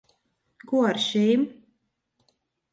Ko ar šīm?